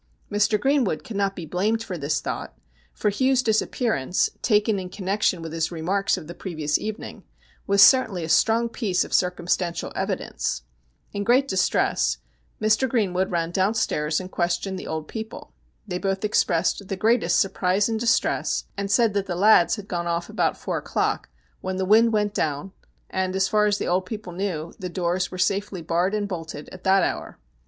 Mr. Greenwood could not be blamed for this thought, for Hugh's disappearance, taken in connection with his remarks of the previous evening, was certainly a strong piece of circum stantial evidence. In great distress Mr. Greenwood ran down stairs and questioned the old people. They both expressed the greatest surprise and distress, and said that the lads had gone off about four o'clock when the wind went down, and, as far as the old people knew, the doors were safely barred and bolted at that hour.